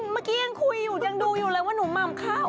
เมื่อกี้ยังคุยอยู่ยังดูอยู่เลยว่าหนูหม่ำเข้า